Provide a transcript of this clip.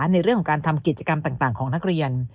ในเรื่องของการทำกิจกรรมต่างของนักเรียน